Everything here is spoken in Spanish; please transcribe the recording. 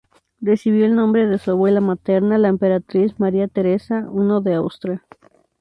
Recibió el nombre de su abuela materna, la emperatriz María Teresa I de Austria.